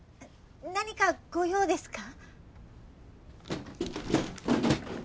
何かご用ですか？